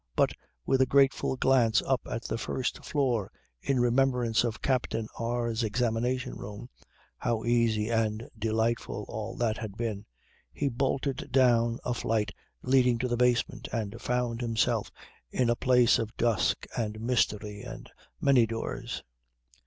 but with a grateful glance up at the first floor in remembrance of Captain R 's examination room (how easy and delightful all that had been) he bolted down a flight leading to the basement and found himself in a place of dusk and mystery and many doors.